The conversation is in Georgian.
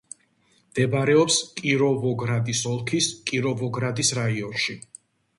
მდებარეობს კიროვოგრადის ოლქის კიროვოგრადის რაიონში.